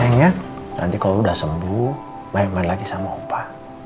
nanti kalau udah sembuh main main lagi sama opa